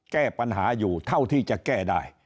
แก้ปัญหาอยู่เท่าที่จะแก้ได้